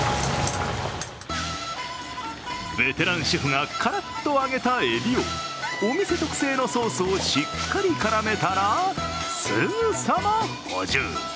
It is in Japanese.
ベテランシェフがカラッと揚げたエビをお店特製のソースをしっかり絡めたら、すぐさま補充。